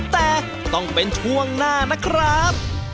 แต่ต้องเป็นช่วงหน้านะครับ